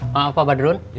maaf pak badrun